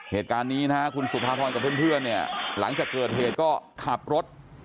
เว็บการนี้นะคุณจะเลี่ยงขึ้นเสื้อเนี่ยหลังจากเกิดเหตุก็ขับรถ